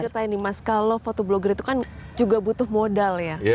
boleh dicatain nih mas kalau fotoblogger itu kan juga butuh modal ya